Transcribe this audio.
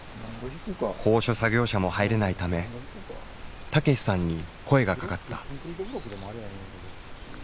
高所作業車も入れないため武さんに声がかかった。